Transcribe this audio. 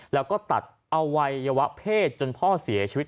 แล้วก็ตัดอวัยวะเพศจนพ่อเสียชีวิต